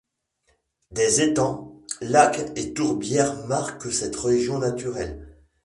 Des étangs, lacs et tourbières marquent cette région naturelle.